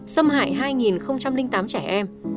xâm hại hai tám trẻ